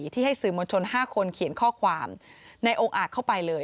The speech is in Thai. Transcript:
ที่ให้สื่อมวลชน๕คนเขียนข้อความในองค์อาจเข้าไปเลย